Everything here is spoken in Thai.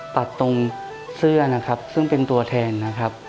ปัดตรงเสื้อซึ่งเป็นตัวแทน